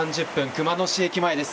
熊野市駅前です。